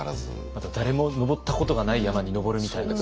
まだ誰も登ったことがない山に登るみたいな。